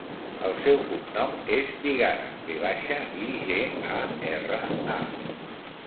El seu cognom és Vigara: ve baixa, i, ge, a, erra, a.